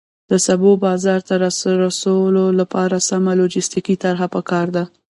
د سبو بازار ته رسولو لپاره سمه لوجستیکي طرحه پکار ده.